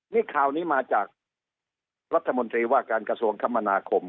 นี่ข่าวนี้มาจากรัฐมนตรีว่าการกระทรวงคมนาคม